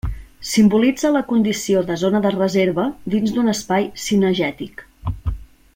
Simbolitza la condició de zona de reserva dins d'un espai cinegètic.